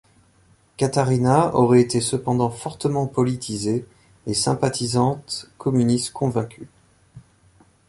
Catarina aurait été cependant fortement politisée et sympathisante communiste convaincue.